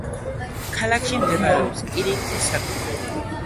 ქალაქში მდებარეობს რკინიგზის სადგური.